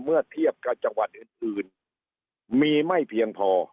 เมื่อเทียบกับจังหวัดอื่นมีไม่เพียงพอ